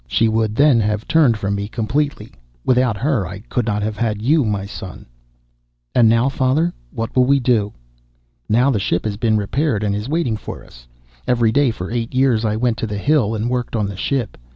She would then have turned from me completely. Without her I could not have had you, my son." "And now, father, what will we do?" "Now the ship has been repaired and is waiting for us. Every day for eight years I went to the hill and worked on the ship.